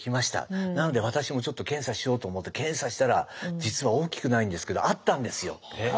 なので私もちょっと検査しようと思って検査したら実は大きくないんですけどあったんですよ。